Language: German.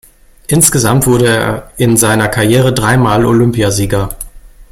Insgesamt wurde er in seiner Karriere dreimal Olympiasieger.